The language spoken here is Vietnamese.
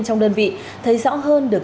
trong đơn vị thấy rõ hơn được